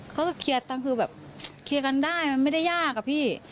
เขาก็เคียนตามคือแบบเคียนกันได้มันไม่ได้ยากอ่ะพี่